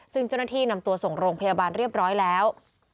ซึ่งเจ้าหน้าที่นำตัวส่งโรงพยาบาลเรียบร้อยแล้ว